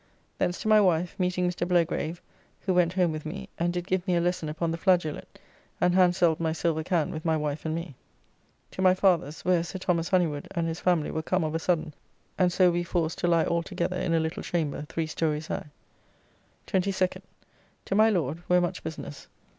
Thence to my wife, meeting Mr. Blagrave, who went home with me, and did give me a lesson upon the flageolet, and handselled my silver can with my wife and me. To my father's, where Sir Thomas Honeywood and his family were come of a sudden, and so we forced to lie all together in a little chamber, three stories high. 22d. To my Lord, where much business.